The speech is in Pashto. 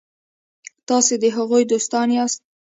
تاسي د هغوی دوستان یاست.